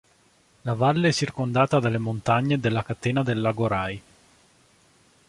La valle è circondata dalle montagne della Catena del Lagorai.